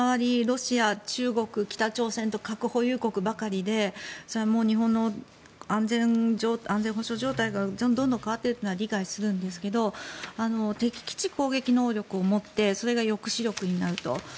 ロシア、中国、北朝鮮と核保有国ばかりで日本の安全保障状態がどんどん変わっていっているのは理解するんですが敵基地攻撃能力を持ってそれが抑止力になると。